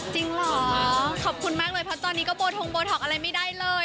จริงเหรอขอบคุณมากเลยเพราะตอนนี้ก็โบทงโบท็อกอะไรไม่ได้เลย